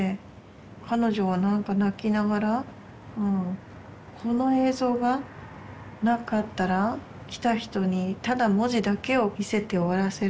彼女はなんか泣きながら「この映像がなかったら来た人にただ文字だけを見せて終わらせる。